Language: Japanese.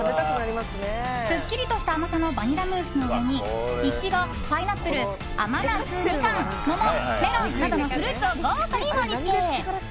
すっきりとした甘さのバニラムースの上にイチゴ、パイナップル甘夏ミカン、桃、メロンなどのフルーツを豪華に盛り付け！